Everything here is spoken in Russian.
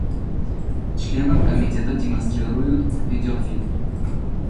Членам Комитета демонстрируют видеофильм.